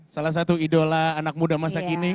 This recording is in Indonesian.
salah satu idola anak muda masa kini